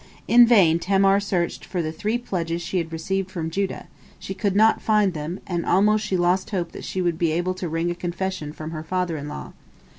In vain Tamar searched for the three pledges she had received from Judah, she could not find them, and almost she lost hope that she would be able to wring a confession from her father in law.